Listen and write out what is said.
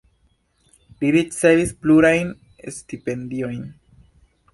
Li ricevis plurajn stipendiojn.